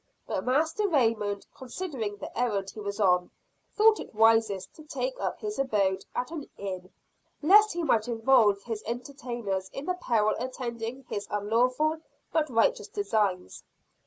But Master Raymond, considering the errand he was on, thought it wisest to take up his abode at an Inn lest he might involve his entertainers in the peril attending his unlawful but righteous designs.